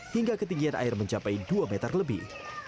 hingga ketinggian air mencapai dua meter lebih